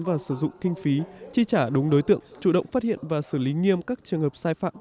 và sử dụng kinh phí chi trả đúng đối tượng chủ động phát hiện và xử lý nghiêm các trường hợp sai phạm